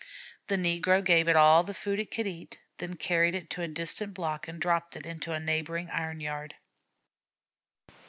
The negro gave it all the food it could eat, then carried it to a distant block and dropped it in a neighboring iron yard.